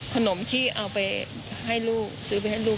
ขนมที่เอาไปให้ลูกซื้อไปให้ลูก